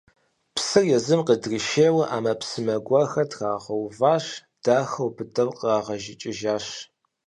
Псыр езым къыдришейуэ ӏэмэпсымэ гуэрхэр трагъэуващ, дахэу, быдэу кърагъэжыкӏыжащ.